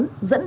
dẫn đoàn người